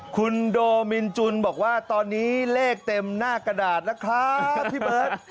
คุณโดมินจุนบอกว่าตอนนี้เลขเต็มหน้ากระดาษแล้วครับพี่เบิร์ต